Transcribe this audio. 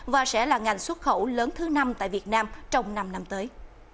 và sẽ là ngành xuất khẩu lớn thứ năm tại việt nam trong năm năm tới